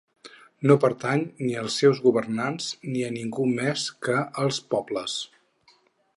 No pertany ni als seus governants ni a ningú més que als pobles.